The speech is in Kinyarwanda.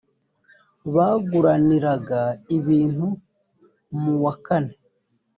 baguraniraga ibintu mu wa kane